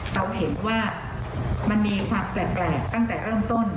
เราเห็นว่ามันมีความแปลกตั้งแต่เริ่มต้น